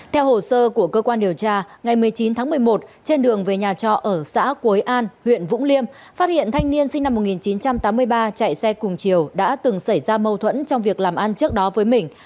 theo hồ sơ của cơ quan điều tra ngày một mươi chín tháng một mươi một trên đường về nhà trọ ở xã quế an huyện vũng liêm phát hiện thanh niên sinh năm một nghìn chín trăm tám mươi ba chạy xe cùng chiều đã từng xảy ra mâu thuẫn trong việc làm ăn trước đó với mình